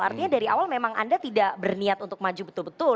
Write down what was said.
artinya dari awal memang anda tidak berniat untuk maju betul betul